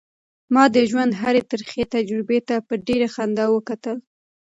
ما د ژوند هرې ترخې تجربې ته په ډېرې خندا وکتل.